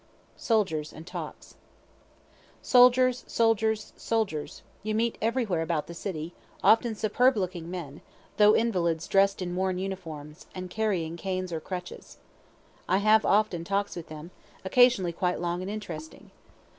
SOLDIERS AND TALKS Soldiers, soldiers, soldiers, you meet everywhere about the city, often superb looking men, though invalids dress'd in worn uniforms, and carrying canes or crutches. I often have talks with them, occasionally quite long and interesting.